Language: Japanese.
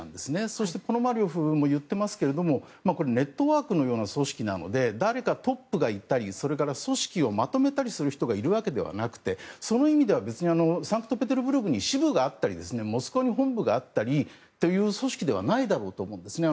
そして、ポノマリョフも言っていますけどネットワークのような組織なので誰かトップがいたり組織をまとめたりする人がいるわけではなくてその意味では別に、サンクトペテルブルクに支部があったりモスクワに本部があったりという組織ではないだろうと思うんですよね。